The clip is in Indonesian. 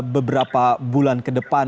beberapa bulan ke depan